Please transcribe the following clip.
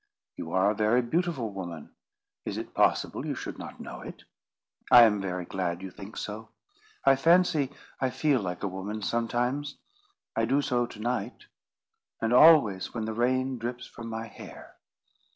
"You are a very beautiful woman. Is it possible you should not know it?" "I am very glad you think so. I fancy I feel like a woman sometimes. I do so to night—and always when the rain drips from my hair.